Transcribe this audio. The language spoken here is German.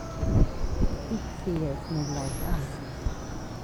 Ich sehe es mir gleich an.